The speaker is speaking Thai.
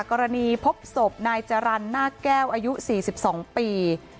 กรณีพบศพนายจรรย์หน้าแก้วอายุ๔๒ปี